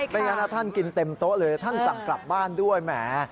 งั้นท่านกินเต็มโต๊ะเลยท่านสั่งกลับบ้านด้วยแหม